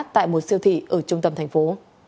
tại một siêu thị ở trung tâm thành phố